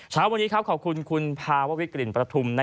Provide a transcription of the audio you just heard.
ฉากวันนี้ขอบคุณคุณพาววิกลินประธุม